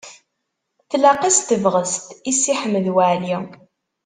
Tlaq-as tebɣest i Si Ḥmed Waɛli.